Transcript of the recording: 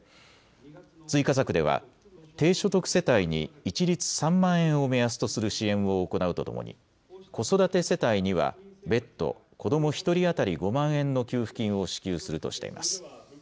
追加策では低所得世帯に一律３万円を目安とする支援を行うとともに子育て世帯には別途、子ども１人当たり５万円の給付金を支給するとしています。